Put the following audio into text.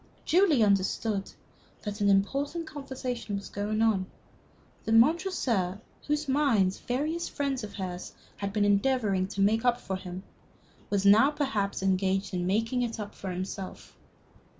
Julie understood that an important conversation was going on that Montresor, whose mind various friends of hers had been endeavoring to make up for him, was now perhaps engaged in making it up for himself.